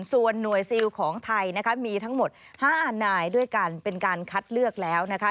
ส่วนหน่วยซิลของไทยนะคะมีทั้งหมด๕นายด้วยกันเป็นการคัดเลือกแล้วนะคะ